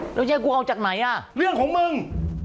เรื่องให้กูเอาจากไหนอะเรื่องของมึง